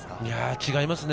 違いますね。